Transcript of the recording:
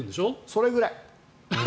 それぐらい。